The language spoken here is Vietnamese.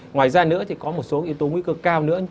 ngoài ra nữa thì có một số yếu tố nguy cơ cao nữa